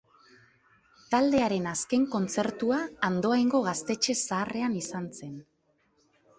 Taldearen azken kontzertua Andoaingo Gaztetxe zaharrean izan zen.